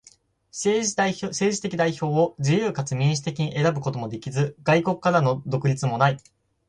政治的代表を自由かつ民主的に選ぶこともできず、外国からの独立もない。